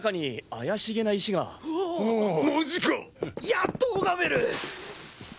やっと拝める！